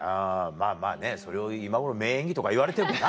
まぁまぁねそれを今頃名演技とか言われてもな。